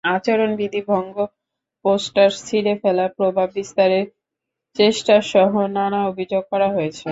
আচরণবিধি ভঙ্গ, পোস্টার ছিঁড়ে ফেলা, প্রভাব বিস্তারের চেষ্টাসহ নানা অভিযোগ করা হয়েছে।